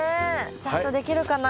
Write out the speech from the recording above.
ちゃんとできるかな？